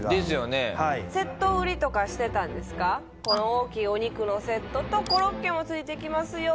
大きいお肉のセットとコロッケも付いてきますよ。